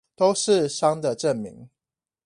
都是傷的證明